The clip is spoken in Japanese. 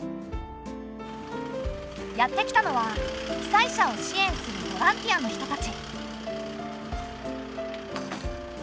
やって来たのは被災者を支援するボランティアの人たち。